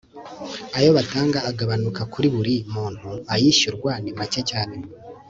ayo batanga agabanuka kuri buri muntu ayishyurwa ni macye cyane